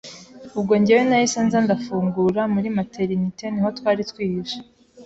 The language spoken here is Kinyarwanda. Ubwo njyewe nahise nza ndafungura, muri materiniti niho twari twihishe